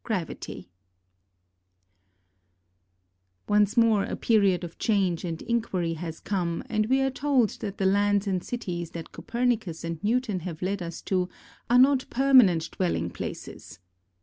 Gravity. .., AND RELAX I VIT Y 5 Once more a period of change and inquiry has come, and we are told that the lands and cities that Copernicus and Newton have led us to are not permanent dwelling places.